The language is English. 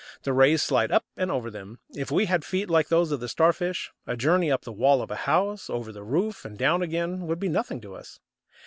The rays slide up and over them. If we had feet like those of the Starfish, a journey up the wall of a house, over the roof, and down again, would be nothing to us.